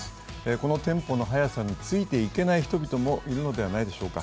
このテンポの速さについていけない人々もいるのではないでしょうか。